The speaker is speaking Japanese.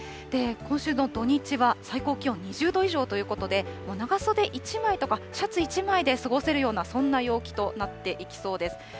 今週の土日は最高気温２０度以上ということで、長袖１枚とかシャツ１枚で過ごせるような、そんな陽気となっていきそうです。